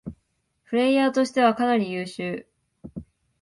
プレイヤーとしてはかなり優秀